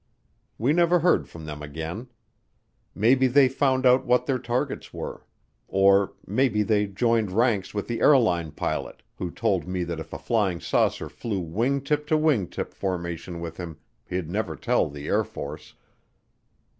We never heard from them again. Maybe they found out what their targets were. Or maybe they joined ranks with the airline pilot who told me that if a flying saucer flew wing tip to wing tip formation with him, he'd never tell the Air Force.